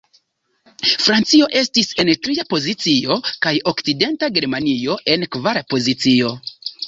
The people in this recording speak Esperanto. Francio estis en tria pozicio, kaj Okcidenta Germanio en kvara pozicio.